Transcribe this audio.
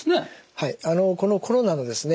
はいこのコロナのですね